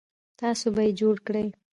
تاسو به یې جوړ کړئ